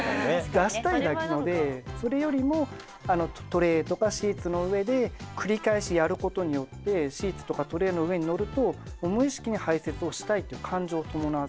出したいだけなのでそれよりもトレーとかシーツの上で繰り返しやることによってシーツとかトレーの上に乗ると無意識に排せつをしたいという感情を伴わせることができる。